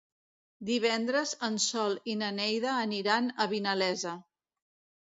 Divendres en Sol i na Neida aniran a Vinalesa.